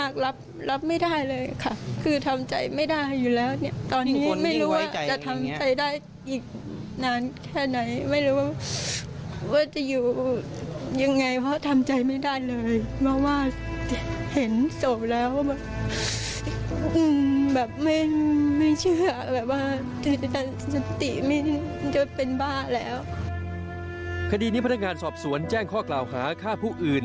คดีนี้พนักงานสอบสวนแจ้งข้อกล่าวหาฆ่าผู้อื่น